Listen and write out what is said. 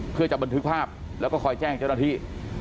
เพื่อจะบันทึกภาพแล้วก็คอยแจ้งเจ้าหน้าที่